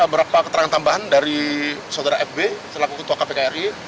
berapa keterangan tambahan dari saudara fb selaku ketua kpk ri